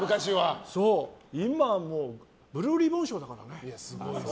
今はもうブルーリボン賞だからね。